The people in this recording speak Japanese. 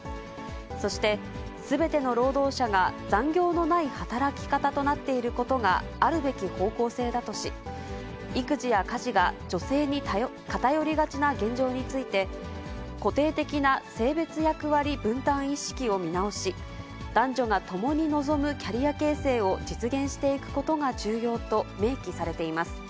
そして、すべての労働者が残業のない働き方となっていることがあるべき方向性だとし、育児や家事が女性に偏りがちな現状について、固定的な性別役割分担意識を見直し、男女が共に望むキャリア形成を実現していくことが重要と明記されています。